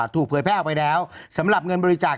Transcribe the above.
เผยแพร่ออกไปแล้วสำหรับเงินบริจาค